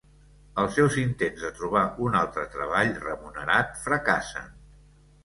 Els seus intents de trobar un altre treball remunerat fracassen.